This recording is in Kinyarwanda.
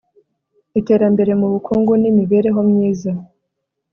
iterambere mu bukungu n'imibereho myiza